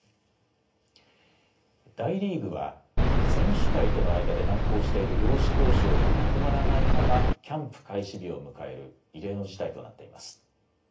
大リーグは選手会との間で難航している労使交渉がまとまらないままキャンプ開始日を迎える異例の事態となっています。